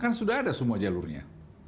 kan sudah ada semua jalurnya